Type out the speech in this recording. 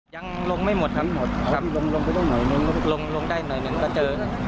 ยังลงไม่หมดครับลงลงลงได้หน่อยหนึ่งก็เจอ